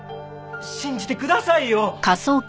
信じてくださいよ！